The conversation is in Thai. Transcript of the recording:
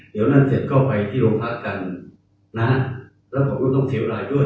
เดี๋ยวนั้นเสร็จก็ไปที่โรงพักกันนะครับแล้วผมก็ต้องเซอร์ไลน์ด้วย